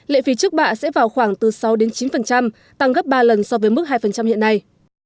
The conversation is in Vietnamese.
lệ phí trước bạ sẽ vào khoảng từ sáu đến chín tăng gấp ba lần so với mức hai hiện nay